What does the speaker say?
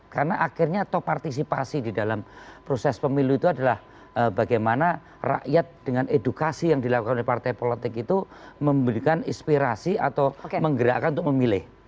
karena akhirnya top partisipasi di dalam proses pemilu itu adalah bagaimana rakyat dengan edukasi yang dilakukan oleh partai politik itu memberikan inspirasi atau menggerakkan untuk memilih